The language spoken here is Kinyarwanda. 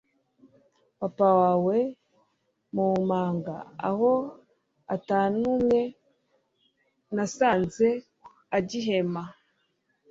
Papa wawe mumanga……aho atanumwe nasanze agihema